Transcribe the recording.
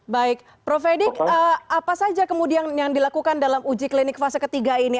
baik prof edik apa saja kemudian yang dilakukan dalam uji klinik fase ketiga ini